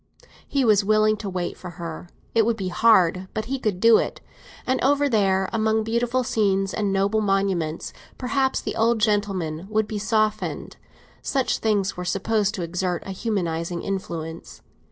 He was willing to wait for her; it would be hard, but he could do it. And over there, among beautiful scenes and noble monuments, perhaps the old gentleman would be softened; such things were supposed to exert a humanising influence.